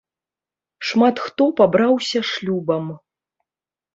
Шмат хто пабраўся шлюбам.